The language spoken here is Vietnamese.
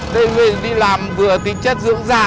đây người đi làm vừa tính chất dưỡng dạng